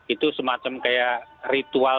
itu semacam kayak ritual